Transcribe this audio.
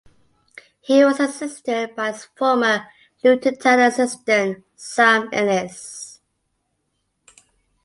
He was assisted by his former Luton Town assistant Sam Ellis.